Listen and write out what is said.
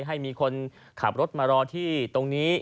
ให้มีคนขับรถมารอที่ตรงนี้